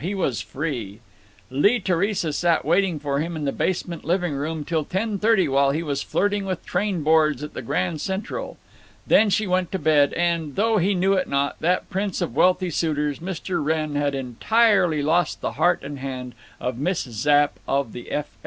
He was free. Lee Theresa sat waiting for him in the basement livingroom till ten thirty while he was flirting with trainboards at the Grand Central. Then she went to bed, and, though he knew it not, that prince of wealthy suitors, Mr. Wrenn, had entirely lost the heart and hand of Miss Zapp of the F.